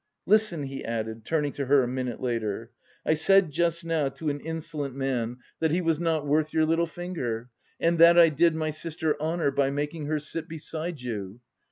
"Listen," he added, turning to her a minute later. "I said just now to an insolent man that he was not worth your little finger... and that I did my sister honour making her sit beside you."